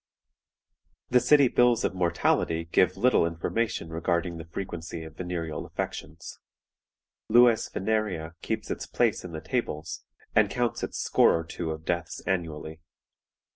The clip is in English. "The city bills of mortality give little information regarding the frequency of venereal affections. Lues Venerea keeps its place in the tables, and counts its score or two of deaths annually.